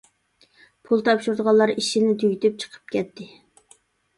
پۇل تاپشۇرىدىغانلار ئىشىنى تۈگىتىپ چىقىپ كەتتى.